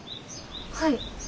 はい。